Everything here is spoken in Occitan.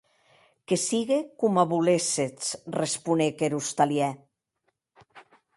Que sigue coma voléssetz, responec er ostalièr.